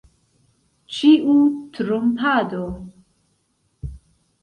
Ĉiu trompado!